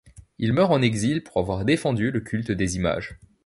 Il meurt en exil pour avoir défendu le culte des images.